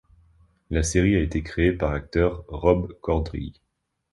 La série a été créée par l'acteur Rob Corddry.